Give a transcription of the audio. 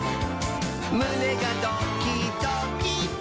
むねがドキドキ！」